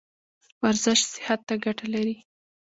ورزش صحت ته ګټه لري